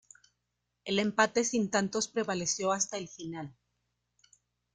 El empate sin tantos prevaleció hasta el final.